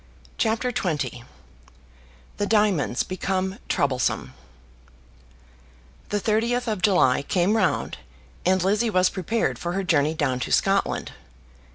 CHAPTER XX The Diamonds Become Troublesome The thirtieth of July came round, and Lizzie was prepared for her journey down to Scotland.